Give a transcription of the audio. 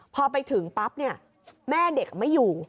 พอไปถึงปั๊บเนี่ยแม่เด็กไม่อยู่